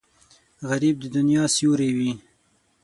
غریب د دنیا سیوری وي